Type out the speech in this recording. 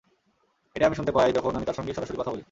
এটাই আমি শুনতে পাই যখন আমি তাঁর সঙ্গে সরাসরি কথা বলি।